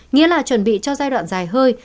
nghĩa là chuẩn bị cho giai đoạn dài hơi